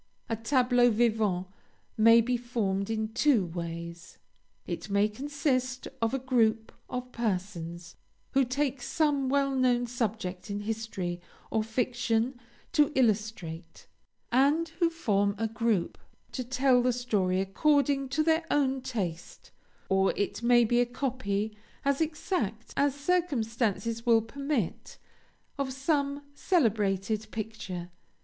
"A tableau vivant may be formed in two ways: it may consist of a group of persons, who take some well known subject in history or fiction to illustrate, and who form a group to tell the story according to their own taste; or, it may be a copy, as exact as circumstances will permit, of some celebrated picture.